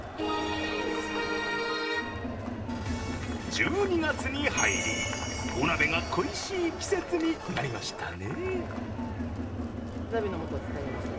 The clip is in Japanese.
１２月に入り、お鍋が恋しい季節になりましたね。